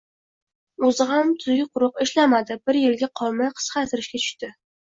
O`zi ham tuzuk-quruq ishlamadi, bir yilga qolmay qisqartirishga tushdi